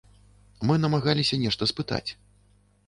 Мы намагаліся нешта спытаць.